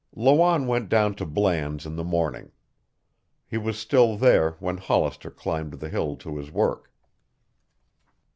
Lawanne went down to Bland's in the morning. He was still there when Hollister climbed the hill to his work.